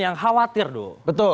yang khawatir do betul